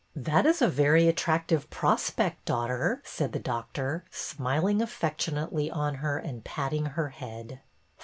'''' That is a very attractive prospect, daughter," said the doctor, smiling affectionately on her and patting her head.